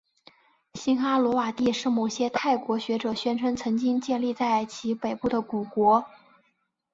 辛哈罗瓦帝是某些泰国学者宣称曾经建立在其北部的古国。